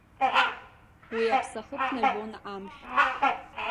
Уи аԥсахы ԥнажәон амшә.